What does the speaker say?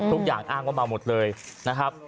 ทุกอย่างอ้างว่าเมาหมดเลยนะครับ